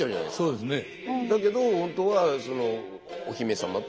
そうですね。